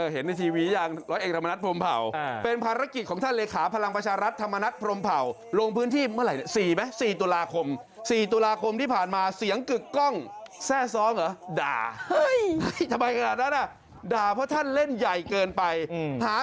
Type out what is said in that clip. เห็นในทีวีอย่างร้อยเอกธรรมนัฐพรมเผาเป็นภารกิจของท่านเลขาพลังประชารัฐธรรมนัฐพรมเผาลงพื้นที่เมื่อไหร่๔ไหม๔ตุลาคม๔ตุลาคมที่ผ่านมาเสียงกึกกล้องแทร่ซ้องเหรอด่าเฮ้ยทำไมขนาดนั้นอ่ะด่าเพราะท่านเล่นใหญ่เกินไปหา